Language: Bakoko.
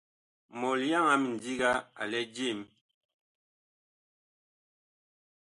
Mɔlyaŋ a mindiga a lɛ jem.